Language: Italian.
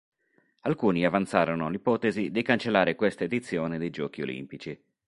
Alcuni avanzarono l'ipotesi di cancellare questa edizione dei Giochi olimpici.